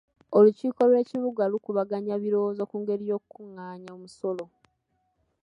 Olukiiko lw'ekibuga lukubaganya birowoozo ku ngeri y'okukungaanya omusolo.